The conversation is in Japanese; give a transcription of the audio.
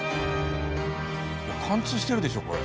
貫通してるでしょこれ。